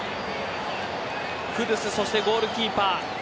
クドゥスそしてゴールキーパー。